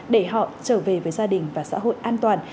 để họ trở về với gia đình và xã hội an toàn